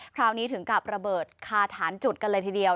คราวนี้ถึงกับระเบิดคาถานจุดกันเลยทีเดียว